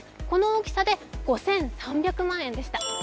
この大きさで５３００万円でした。